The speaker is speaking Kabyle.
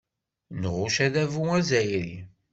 Nɣucc adabu azzayri.